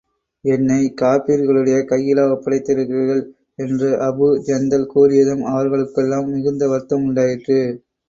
என்னைக் காபிர்களுடைய கையிலா ஒப்படைக்கிறீர்கள்? என்று அபூ ஜந்தல் கூறியதும், அவர்களுக்கெல்லாம் மிகுந்த வருத்தம் உண்டாயிற்று.